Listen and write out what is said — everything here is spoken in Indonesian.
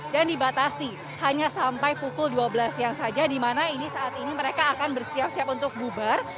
dan dibatasi hanya sampai pukul dua belas siang saja di mana saat ini mereka akan bersiap siap untuk bubar